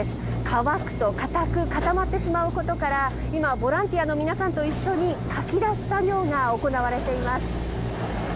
乾くと硬く固まってしまうことから今ボランティアの皆さんと一緒にかき出す作業が行われています。